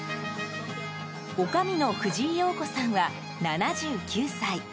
おかみの藤井陽子さんは７９歳。